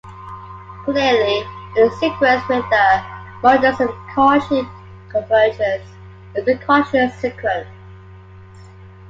Clearly, any sequence with a modulus of Cauchy convergence is a Cauchy sequence.